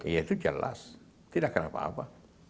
ya itu jelas tidak kena apa apa